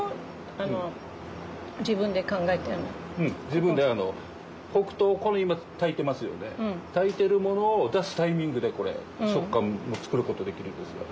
自分であの黒糖をこれ今炊いてますよね炊いてるものを出すタイミングでこれ食感も作る事できるんですよ。